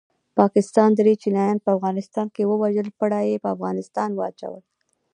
پاکستان دري چینایان په افغانستان کې ووژل پړه یې په افغانستان واچول